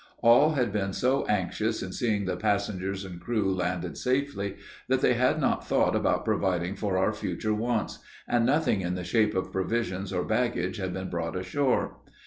All had been so anxious in seeing the passengers and crew landed safely, that they had not thought about providing for our future wants, and nothing in the shape of provisions or baggage had been brought ashore.